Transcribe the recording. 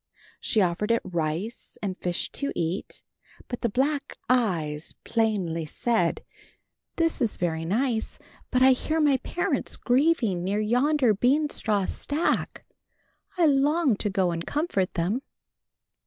She offered it rice and fish to eat, but the black eyes plainly said, "This is very nice, but I hear my parents grieving near yonder beanstraw stack. I long to go and comfort them."